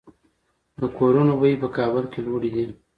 د کورونو بیې په کابل کې لوړې دي